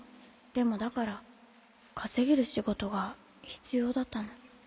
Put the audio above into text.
でもだから稼げる仕事が必要だったの。